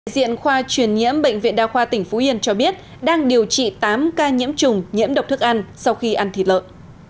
diện khoa truyền nhiễm bệnh viện đa khoa tỉnh phú yên cho biết đang điều trị tám ca nhiễm trùng nhiễm độc thức ăn sau khi ăn thịt lợn